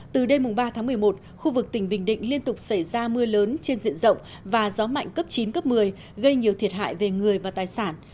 từ đêm ba tháng một mươi một khu vực tỉnh bình định liên tục xảy ra mưa lớn trên diện rộng và gió mạnh cấp chín cấp một mươi gây nhiều thiệt hại về người và tài sản